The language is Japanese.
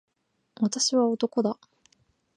私は男だ。